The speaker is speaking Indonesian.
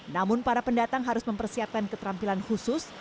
namun para pendatang harus mempersiapkan keterampilan khusus